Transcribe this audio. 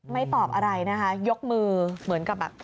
ตอบอะไรนะคะยกมือเหมือนกับแบบ